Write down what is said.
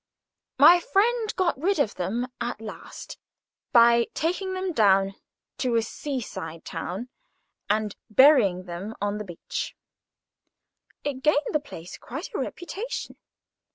My friend got rid of them, at last, by taking them down to a sea side town, and burying them on the beach. It gained the place quite a reputation.